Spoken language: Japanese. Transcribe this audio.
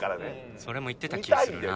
それも言ってた気がするな。